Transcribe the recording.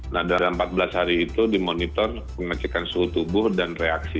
nah dalam empat belas hari itu dimonitor pengecekan suhu tubuh dan reaksi